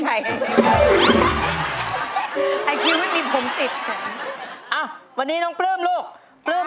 อ่ะวันนี้น้องปลื้มลูก